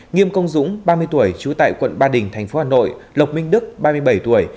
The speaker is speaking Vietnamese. nghiêm công dũng ba mươi tuổi chú tại quận ba đình tp hà nội lộc minh đức ba mươi bảy tuổi